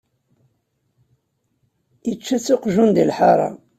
Ičča-tt uqjun di lḥara.